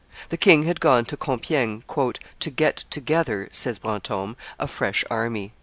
The king had gone to Compiegne "to get together," says Brantome, "a fresh army."